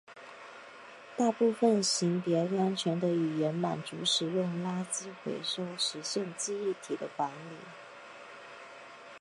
大部分型别安全的语言满足使用垃圾回收实现记忆体的管理。